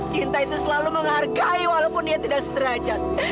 cinta itu selalu menghargai walaupun dia tidak sederajat